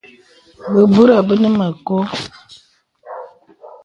Bəbūrə bə nə mə kɔ̄.